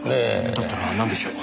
だったらなんでしょう？